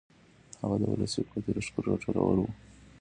هغه د ولسي قوت یا لښکرو راټولول و.